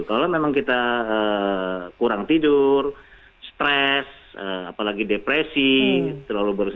kalau memang kita kurang tidur stres apalagi depresi terlalu berat